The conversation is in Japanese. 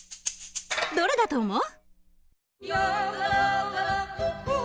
どれだと思う？